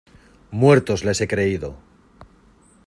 ¡ muertos les he creído!